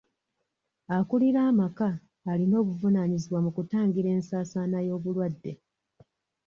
Akulira amaka alina obuvunaanyizibwa mu kutangira ensaasaana y'obulwadde.